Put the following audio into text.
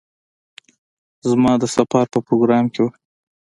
زما د سفر په پروگرام کې وه.